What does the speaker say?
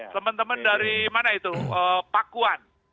teman teman dari mana itu pakuan